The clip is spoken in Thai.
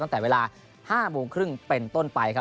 ตั้งแต่เวลา๕๓๐เป็นต้นไปครับ